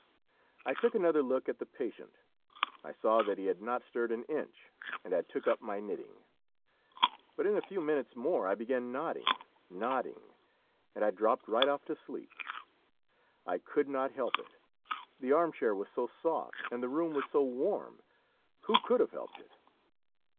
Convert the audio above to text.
I took another look at the patient; I saw that he had not stirred an inch, and I took up my knitting; but in a few minutes more I began nodding, nodding, and I dropped right off to sleep. I could not help it, the arm chair was so soft and the room was so warm, who could have helped it?